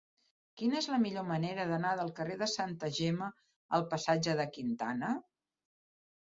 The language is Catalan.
Quina és la millor manera d'anar del carrer de Santa Gemma al passatge de Quintana?